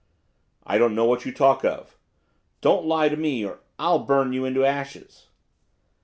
'I don't know what you talk of.' 'Don't lie to me, or I'll burn you into ashes.